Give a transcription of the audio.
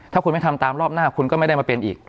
ถ้าคุณไม่ทำตามรอบหน้าคุณก็ไม่ได้มาเป็นอีก